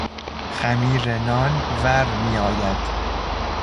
خمیر نان ورمیآید.